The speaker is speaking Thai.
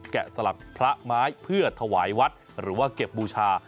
สลักพระไม้เพื่อถวายวัดหรือว่าเก็บบูชา